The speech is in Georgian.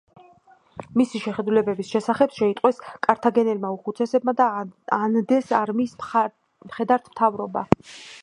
მისი შეხედულებების შესახებ შეიტყვეს კართაგენელმა უხუცესებმა და ანდეს არმიის მხედართმთავრობა.